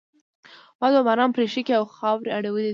باد و باران پرې شګې او خاورې اړولی دي.